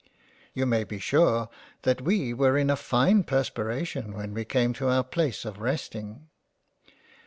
You may be sure that we were in a fine perspiration when we came to our place of rest ing.